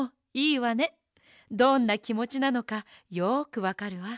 どんなきもちなのかよくわかるわ。